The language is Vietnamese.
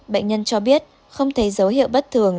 bệnh nhân cho biết không thấy dấu hiệu bất thường